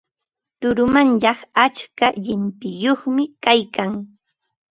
Turumanyay atska llimpiyuqmi kaykan.